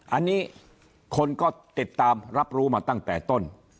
อันนี้คนก็ติดตามรับรู้มาตั้งแต่ต้น